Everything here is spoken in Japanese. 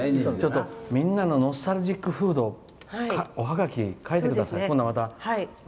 みんなのノスタルジックフードおはがき、書いてください。